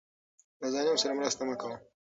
له ظالم سره مرسته مه کوه.